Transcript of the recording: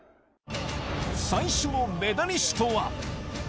最初のメダリストは。